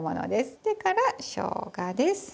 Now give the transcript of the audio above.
それからしょうがです。